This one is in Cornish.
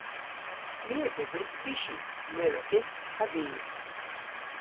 My a dhybris sushi, meur a bysk ha ris.